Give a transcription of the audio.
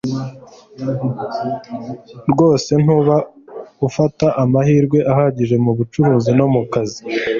rwose ntuba ufata amahirwe ahagije mu bucuruzi no mu kazi.”